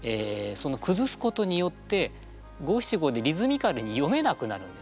そのくずすことによって五七五でリズミカルに詠めなくなるんですね。